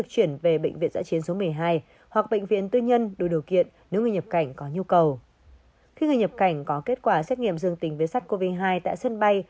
khi người nhập cảnh có kết quả xét nghiệm dương tình viết sắt covid một mươi chín tại sân bay